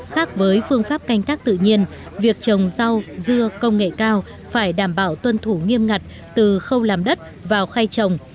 khác với phương pháp canh tác tự nhiên việc trồng rau dưa công nghệ cao phải đảm bảo tuân thủ nghiêm ngặt từ khâu làm đất vào khay trồng